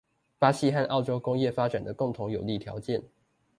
巴西和澳洲工業發展的共同有利條件